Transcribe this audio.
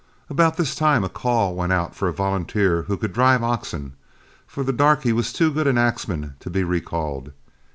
About this time a call went out for a volunteer who could drive oxen, for the darky was too good an axeman to be recalled.